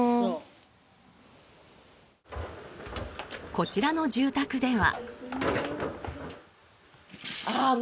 こちらの住宅では。